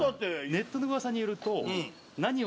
ネットの噂によると。